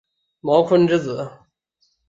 茅坤之子。